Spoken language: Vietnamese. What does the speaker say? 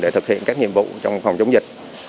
để thực hiện các nhiệm vụ trong phòng chống dịch